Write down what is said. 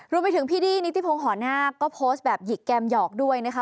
รวมไปถึงพี่ดี้นิติพงศ์หอนาคก็โพสต์แบบหยิกแกมหยอกด้วยนะคะ